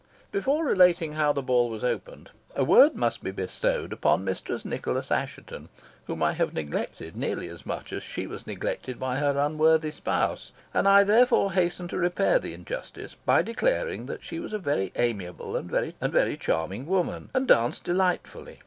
Before relating how the ball was opened a word must be bestowed upon Mistress Nicholas Assheton, whom I have neglected nearly as much as she was neglected by her unworthy spouse, and I therefore hasten to repair the injustice by declaring that she was a very amiable and very charming woman, and danced delightfully.